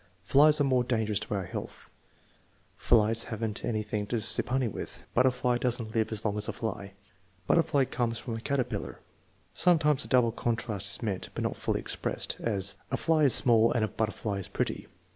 "Flies are more dangerous to our health." "Flies have n't any thing to sip honey with." "Butterfly does n't live as long as a fly." "Butterfly comes from a caterpillar." Sometimes a double contrast is meant, but not fully expressed; as, "A fly is small and a butterfly is pretty."